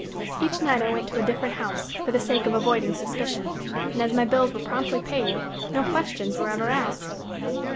Each night I went to a different house, for the sake of avoiding suspicion, and as my bills were promptly paid, no questions were ever asked.